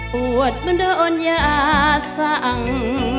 ปวดมันโดนยาสั่ง